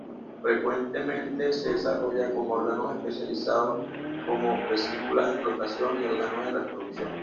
Frecuentemente se desarrolla con órganos especializados como vesículas de flotación y órganos de reproducción.